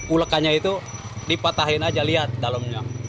ulekannya itu dipatahin aja lihat dalamnya